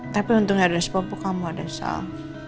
tapi untungnya ada sebab bu kamu ada sal